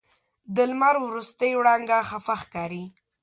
د لمر وروستۍ وړانګه خفه ښکاري